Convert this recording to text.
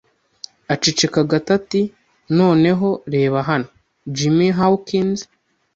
Aceceka gato ati: "Noneho, reba hano, Jim Hawkins"